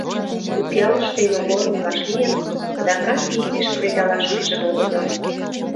Купъялыште Йогорым вашлийын, адакат изиш кредалаш пижын огытыл.